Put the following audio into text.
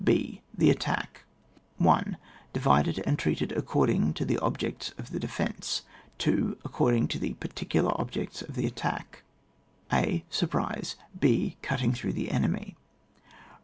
B.— The Attack. 1. Divided and treated according to the objects of the defence. 2. According to the particular objects of the attack :— a. Surprise, b. Cutting through the enemy.